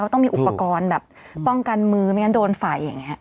ต้องมีอุปกรณ์แบบป้องกันมือไม่งั้นโดนไฟอย่างนี้